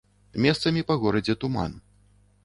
Месцамі па горадзе туман.